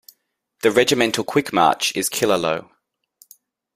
The Regimental Quick March is Killaloe.